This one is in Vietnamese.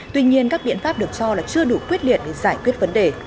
tuy nhiên các biện pháp được cho là chưa đủ quyết liệt để giải quyết vấn đề